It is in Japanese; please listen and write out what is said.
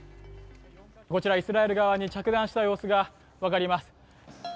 こちら、イスラエル側に着弾した様子が分かります。